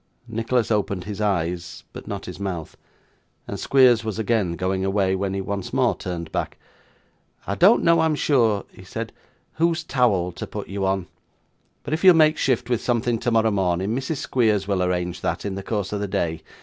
Nicholas opened his eyes, but not his mouth; and Squeers was again going away, when he once more turned back. 'I don't know, I am sure,' he said, 'whose towel to put you on; but if you'll make shift with something tomorrow morning, Mrs. Squeers will arrange that, in the course of the day.